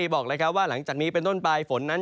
บอกเลยครับว่าหลังจากนี้เป็นต้นไปฝนนั้น